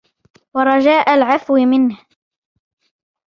وَرَجَاءَ الْعَفْوِ عَنْهُ